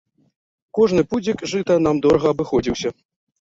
Кожны пудзік жыта нам дорага абыходзіўся.